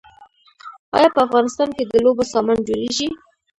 آیا په افغانستان کې د لوبو سامان جوړیږي؟